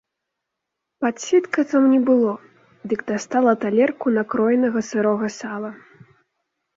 Падсітка там не было, дык дастала талерку накроенага сырога сала.